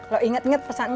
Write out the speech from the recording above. lu inget inget pesannya